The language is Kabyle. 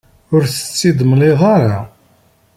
Ur as-tt-id-temliḍ ara.